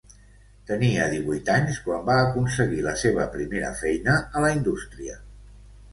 Tenia divuit anys quan va aconseguir la seva primera feina a la indústria.